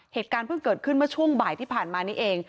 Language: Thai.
เหตุการณ์เพิ่งเกิดขึ้นเมื่อช่วงบ่ายที่ผ่านมานี้เอง